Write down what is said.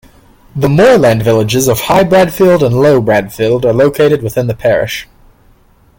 The moorland villages of High Bradfield and Low Bradfield are located within the parish.